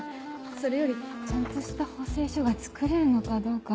それよりちゃんとした補正書が作れるのかどうか。